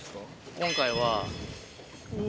今回は。